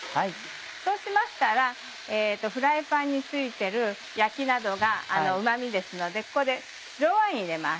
そうしましたらフライパンについてる焼きなどがうま味ですのでここで白ワイン入れます。